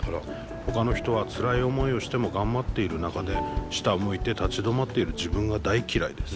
ほかの人はつらい思いをしても頑張っている中で下を向いて立ち止まっている自分が大嫌いです。